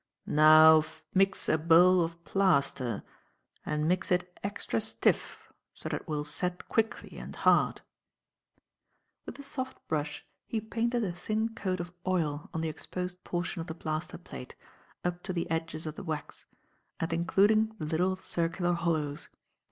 "Now mix a bowl of plaster and mix it extra stiff, so that it will set quickly and hard." With a soft brush he painted a thin coat of oil on the exposed portion of the plaster plate, up to the edges of the wax, and including the little circular hollows.